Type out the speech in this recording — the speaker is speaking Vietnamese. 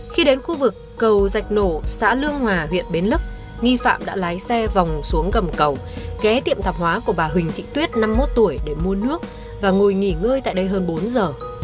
khi đến khu vực cầu dạch nổ xã lương hòa huyện bến lức nghi phạm đã lái xe vòng xuống gầm cầu ghé tiệm tạp hóa của bà huỳnh thị tuyết năm mươi một tuổi để mua nước và ngồi nghỉ ngơi tại đây hơn bốn giờ